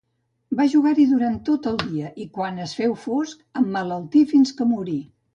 Va jugar-hi durant tot el dia i quan es féu fosc, emmalaltí fins que morí.